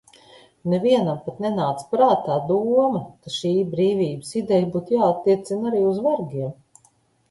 Nevienam pat nenāca prātā doma, ka šī brīvības ideja būtu jāattiecina arī uz vergiem.